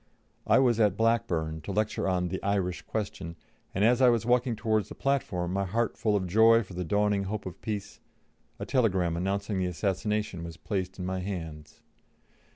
I was at Blackburn, to lecture on "The Irish Question," and as I was walking towards the platform, my heart full of joy for the dawning hope of peace, a telegram announcing the assassination was placed in my hands.